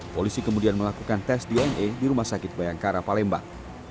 polisi kemudian melakukan tes dna di rumah sakit bayangkara palembang